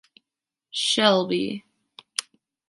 Shelby.